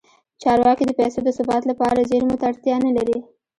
چارواکي د پیسو د ثبات لپاره زیرمو ته اړتیا نه لري.